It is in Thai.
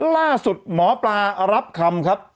ล่าสุดหมอปลารับคำครับ